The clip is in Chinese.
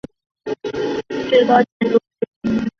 完工后为新北市第三高及新庄副都心最高建筑物。